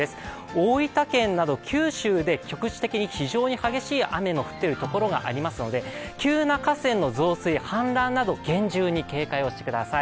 大分県など九州で局地的に非常に激しい雨の降っているところがありますので急な河川の増水、氾濫など厳重に警戒してください。